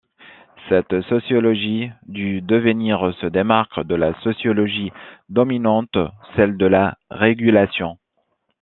Cette sociologie du devenir se démarque de la sociologie dominante, celle de la régulation.